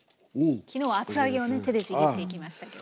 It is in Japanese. きのうは厚揚げを手でちぎっていきました。